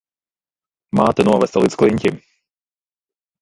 Māte novesta līdz kliņķim.